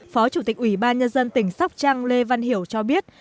phó chủ tịch ubnd tỉnh sóc trăng lê văn hiểu cho biết